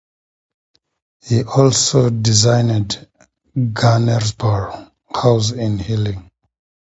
He also designed Gunnersbury House in Ealing.